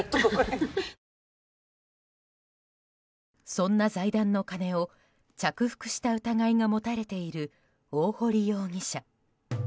そんな財団の金を着服した疑いが持たれている大堀容疑者。